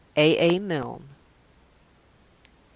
A. A. Milne.